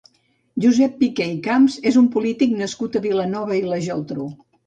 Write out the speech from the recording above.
Josep Piqué i Camps és un polític nascut a Vilanova i la Geltrú.